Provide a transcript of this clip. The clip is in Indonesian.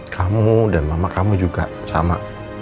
kamu dan mama kamu juga sama